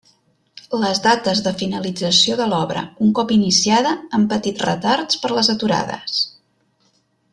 Les dates de finalització de l'obra un cop iniciada han patit retards per les aturades.